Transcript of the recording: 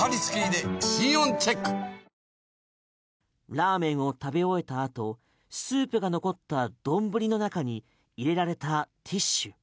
ラーメンを食べ終えたあとスープが残った丼の中に入れられたティッシュ。